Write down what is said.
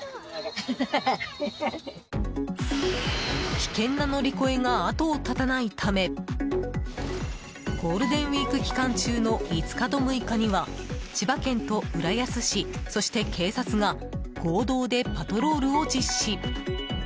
危険な乗り越えが後を絶たないためゴールデンウィーク期間中の５日と６日には千葉県と浦安市そして警察が合同でパトロールを実施。